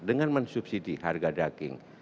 dengan mensubsidi harga daging